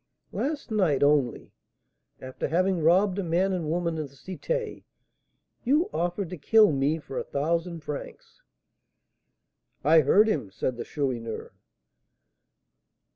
Last night only, after having robbed a man and woman in the Cité, you offered to kill me for a thousand francs " "I heard him," said the Chourineur.